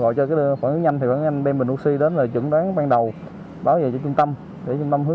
để thành lập đội phản ứng nhanh thực hiện mục tiêu kép vừa đảm bảo an ninh trật tự